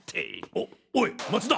おおい松田？